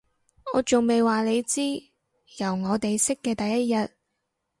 我仲未話你知，由我哋識嘅第一日